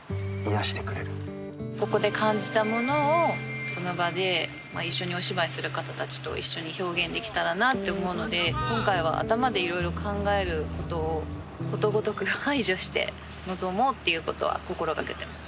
ここで感じたものをその場で一緒にお芝居する方たちと一緒に表現できたらなと思うので今回は頭でいろいろ考えることをことごとく排除して臨もうっていうことは心がけてます。